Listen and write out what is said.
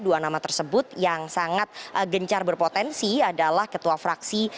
dua nama tersebut yang sangat gencar berpotensi adalah ketua fraksi